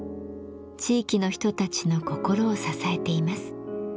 地域の人たちの心を支えています。